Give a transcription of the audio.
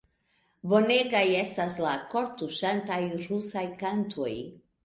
Bonegaj estas la kortuŝantaj rusaj kantoj!